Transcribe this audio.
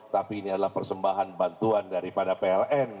tapi ini adalah persembahan bantuan daripada pln